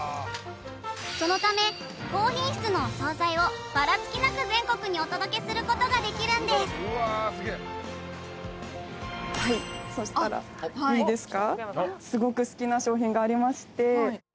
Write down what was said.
そのため高品質のお惣菜をバラつきなく全国にお届けすることができるんですあっはいそしたらいいですか？